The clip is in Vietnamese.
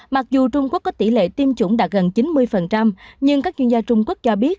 mặc dù trung quốc có tỷ lệ tiêm chủng đạt gần chín mươi nhưng các chuyên gia trung quốc cho biết